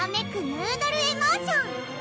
ヌードル・エモーション！